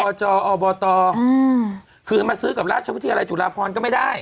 ตอบตคือมาซื้อกับราชวิทยาลัยจุฬาพรก็ไม่ได้